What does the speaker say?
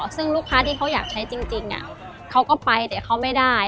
ซึ่งลูกค้าที่เขาอยากใช้จริงเขาก็ไปแต่เขาไม่ได้